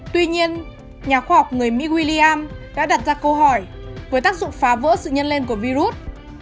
tuy nhiên nhà khoa học người mỹ william đã đặt ra câu hỏi với tác dụng phá vỡ sự nhân lên của virus